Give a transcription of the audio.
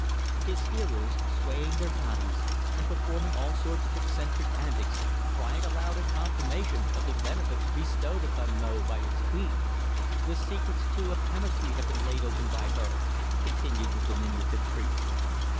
His hearers, swaying their bodies and performing all sorts of eccentric antics, cried aloud in confirmation of the benefits bestowed upon Mo by its queen. "The secrets, too, of chemistry have been laid open by her," continued the diminutive priest.